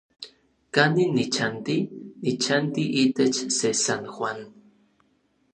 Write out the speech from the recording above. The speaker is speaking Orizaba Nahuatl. ¿Kanin nichanti? Nichanti itech se San Juan.